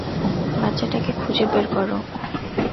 বাচ্চাটাকে খুঁজে বের করো।